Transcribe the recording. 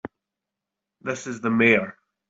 This is the Mayor.